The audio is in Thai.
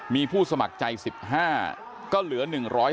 มีผู้สมัครใจ๑๕ก็เหลือ๑๔